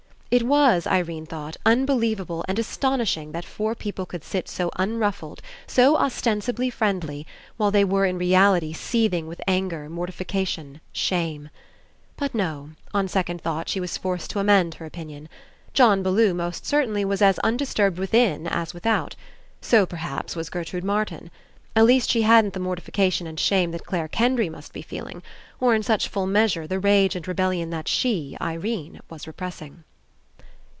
It was, Irene, thought, unbelievable 73 PASSING and astonishing that four people could sit so unruffled, so ostensibly friendly, while they were In reality seething with anger, mortifica tion, shame. But no, on second thought she was forced to amend her opinion. John Bellew, most certainly, was as undisturbed within as without. So, perhaps, was Gertrude Martin. At least she hadn't the mortification and shame that Clare Kendry must be feeling, or. In such full measure, the rage and rebellion that she, Irene, was repressing.